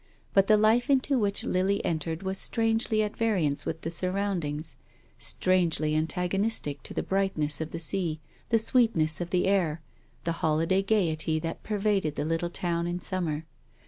But the life into which Lily entered was strangely at variance with the surroundings, strangely antagonistic to the brightness of the sea, the sweetness of the air, the holiday gaiety that pervaded the little town in the summer.